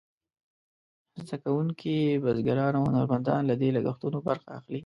زده کوونکي، بزګران او هنرمندان له دې لګښتونو برخه اخلي.